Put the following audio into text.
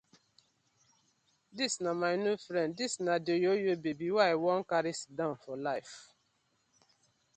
Dis na my new friend, dis na di oyoyo babi wey I won karry sidon for life.